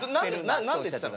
何て言ったの？